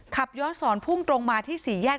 ขับย้อนสอนพุ่งตรงมาที่สี่แยก